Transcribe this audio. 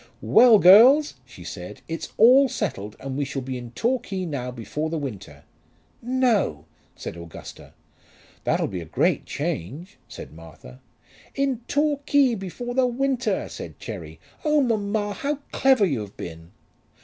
"Well, girls," she said, "it's all settled, and we shall be in Torquay now before the winter." "No!" said Augusta. "That'll be a great change," said Martha. "In Torquay before the winter!" said Cherry. "Oh, mamma, how clever you have been!"